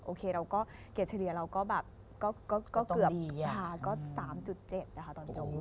โอเคเราก็เกรดเฉลี่ยเราก็แบบก็เกือบ๓๗ตอนจบมา